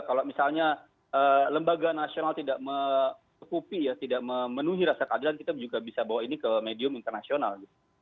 hanya lembaga nasional tidak memenuhi rasa keadilan kita juga bisa bawa ini ke medium internasional